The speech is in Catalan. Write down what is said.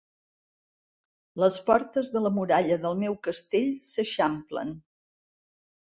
Les portes de la muralla del meu castell s'eixamplen.